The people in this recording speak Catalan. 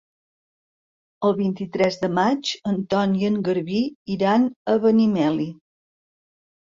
El vint-i-tres de maig en Ton i en Garbí iran a Benimeli.